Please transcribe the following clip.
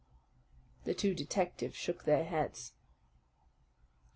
The two detectives shook their heads.